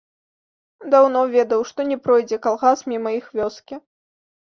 Даўно ведаў, што не пройдзе калгас міма іх вёскі.